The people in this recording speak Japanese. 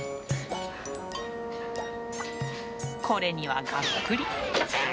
これにはがっくり。